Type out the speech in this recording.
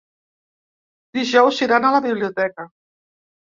Dijous iran a la biblioteca.